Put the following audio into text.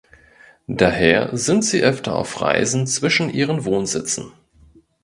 Daher sind sie öfter auf Reisen zwischen ihren Wohnsitzen.